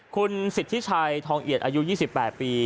คุณสิทธิชัยทองเอียดอายุ๒๘ปี